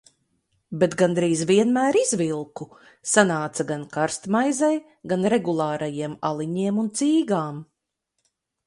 Bet gandrīz vienmēr izvilku, sanāca gan karstmaizei, gan regulārajiem aliņiem un cīgām.